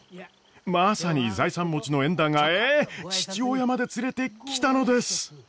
まさに財産持ちの縁談がええっ父親まで連れてきたのです！